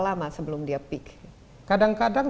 lama sebelum dia peak kadang kadang